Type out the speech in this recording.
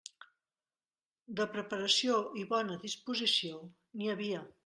De preparació i bona disposició n'hi havia.